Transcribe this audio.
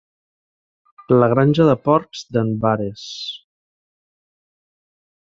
La granja de porcs d'en Wares.